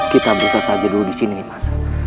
kita berusaha saja dulu di sini mas